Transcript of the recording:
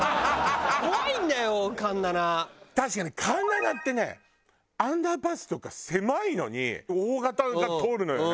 確かに環七ってねアンダーパスとか狭いのに大型が通るのよね。